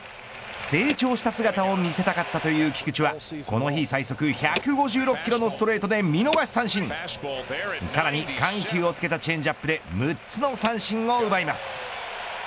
成長した姿を見せたかったという菊池はこの日最速１５６キロのストレートで見逃し三振さらに緩急をつけたチェンジアップで６つの三振を奪います。